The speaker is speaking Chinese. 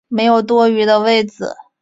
没有多余的位子